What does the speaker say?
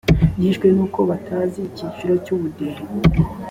byishwe n’uko batazi icyiciro cy’ubudehe